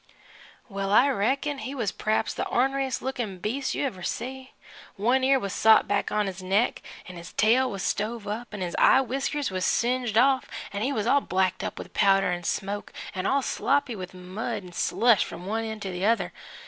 Well, I reckon he was p'raps the orneriest lookin' beast you ever see. One ear was sot back on his neck, 'n' his tail was stove up, 'n' his eye winkers was singed off, 'n' he was all blacked up with powder an' smoke, an' all sloppy with mud 'n' slush f'm one end to the other.